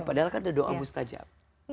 padahal kan doa mustajab